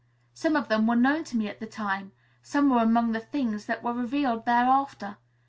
Some of them were known to me at the time; some were among the things that were revealed thereafter.